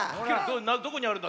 どこにあるんだ？